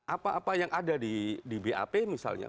apa apa yang ada di bap misalnya